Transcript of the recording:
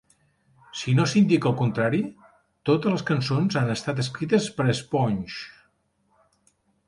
Si no s'indica el contrari, totes les cançons han estat escrites per Sponge.